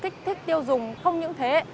kích thích tiêu dùng không những thế